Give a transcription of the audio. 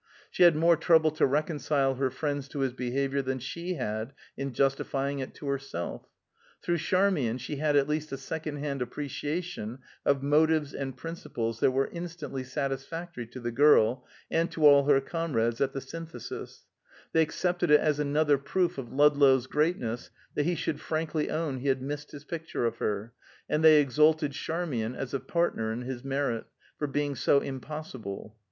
She had more trouble to reconcile her friends to his behavior than she had in justifying it to herself. Through Charmian she had at least a second hand appreciation of motives and principles that were instantly satisfactory to the girl and to all her comrades at the Synthesis; they accepted it as another proof of Ludlow's greatness that he should frankly own he had missed his picture of her, and they exalted Charmian as a partner in his merit, for being so impossible.